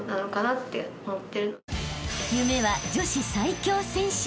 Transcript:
［夢は女子最強選手］